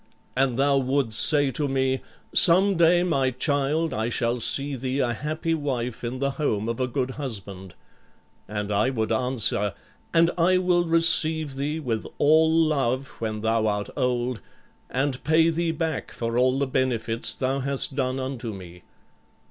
And thou wouldst say to me, 'Some day, my child, I shall see thee a happy wife in the home of a good husband.' And I would answer, 'And I will receive thee with all love when thou art old, and pay thee back for all the benefits thou hast done unto me.'